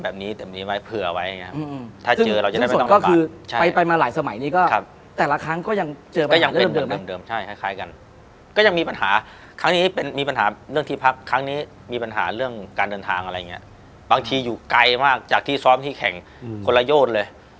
แบบนี้มีปัญหาเรื่องการเดินทางอะไรอย่างนี้บางทีอยู่ไกลมากจากที่ซ้อมที่แข่งคนละโยดเลย